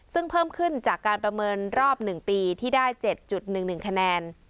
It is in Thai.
ซึ่งเพิ่มขึ้นจากการประเมินรอบ๑ปีที่ได้๗๑๑คะแนน